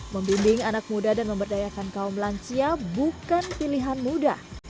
membimbing anak muda dan memberdayakan kaum lansia bukan pilihan mudah